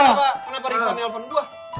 ini kenapa rifki nelfon gua